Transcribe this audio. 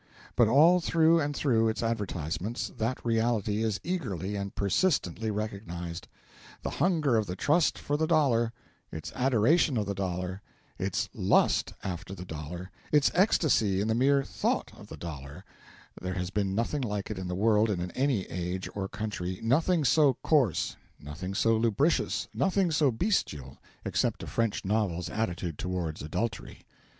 But all through and through its advertisements that reality is eagerly and persistently recognised. The hunger of the Trust for the Dollar, its adoration of the Dollar, its lust after the Dollar, its ecstasy in the mere thought of the Dollar there has been nothing like it in the world in any age or country, nothing so coarse, nothing so lubricous, nothing so bestial, except a French novel's attitude towards adultery.